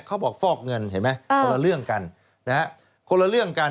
เขาบอกฟอกเงินเห็นไหมคนละเรื่องกันคนละเรื่องกัน